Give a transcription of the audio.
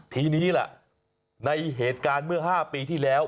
ทีนี้ล่ะในเหตุการณ์เมื่อ๕ปีที่แล้ว